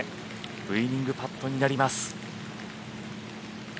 ウイニングパットになります。